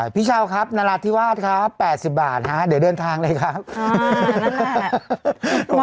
พี่เช้าครับนราธิวาสครับ๘๐บาทฮะเดี๋ยวเดินทางเลยครับ